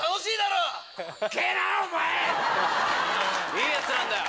いいヤツなんだよ。